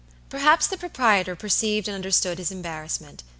Perhaps the proprietor perceived and understood his embarrassment.